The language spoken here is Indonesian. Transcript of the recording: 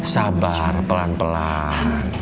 sabar pelan pelan